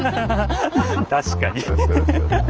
確かに。